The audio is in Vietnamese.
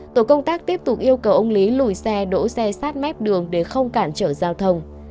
tổ công tác tiếp tục yêu cầu ông lý lùi xe đỗ xe sát mép đường để không cản trở giao thông